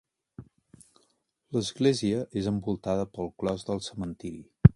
L'església és envoltada pel clos del cementiri.